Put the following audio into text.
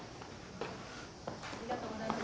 ありがとうございます。